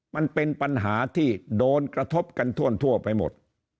มันเป็นปัญหาที่โดนกระทบกันทั่วไปหมด